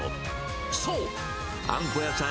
そう、あんこ屋さん